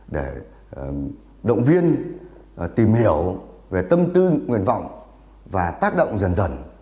để động viên tìm hiểu về tâm tư nguyện vọng và tác động dần dần